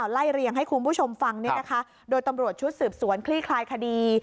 ไล่เรียงให้คุณผู้ชมฟังโดยตำรวจชุดสืบสวนคลี่คลายคดี